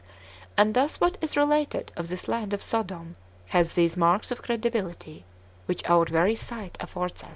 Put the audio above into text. And thus what is related of this land of Sodom hath these marks of credibility which our very sight affords us.